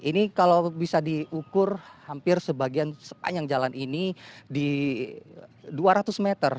ini kalau bisa diukur hampir sebagian sepanjang jalan ini di dua ratus meter